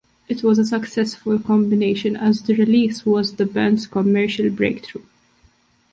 It was a successful combination as the release was the band's commercial breakthrough.